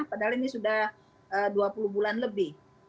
padahal ini sudah dua puluh bulan lebih